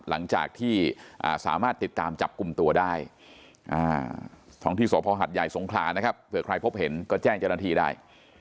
หลังจากที่สามารถติดตามจับกลุ่มตัวได้ท้องที่สพหัดใหญ่สงขลานะครับเผื่อใครพบเห็นก็แจ้งเจ้าหน้าที่ได้